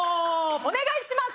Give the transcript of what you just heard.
お願いします！